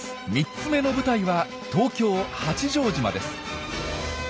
３つ目の舞台は東京八丈島です。